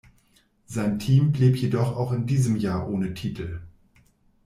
Sein Team blieb jedoch auch in diesem Jahr ohne Titel.